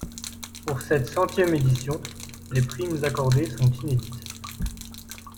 Pour cette centième édition, les primes accordées sont inédites.